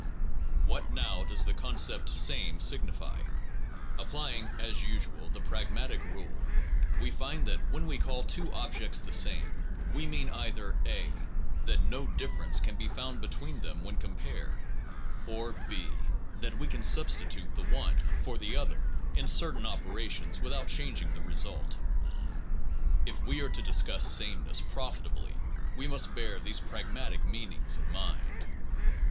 What now does the concept same signify? Applying, as usual, the pragmatic rule, we find that when we call two objects the same we mean either (a) that no difference can be found between them when compared, or (b) that we can substitute the one 103 SOME PROBLEMS OF PHILOSOPHY for the other in certain operations without changing the result. If we are to discuss same ness profitably we must bear these pragmatic meanings in mind.